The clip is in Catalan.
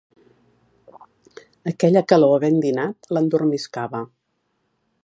Aquella calor havent dinat l'endormiscava.